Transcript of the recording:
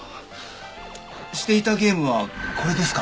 していたゲームはこれですか？